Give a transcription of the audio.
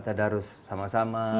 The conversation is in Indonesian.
tidak harus sama sama